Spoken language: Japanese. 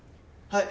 はい！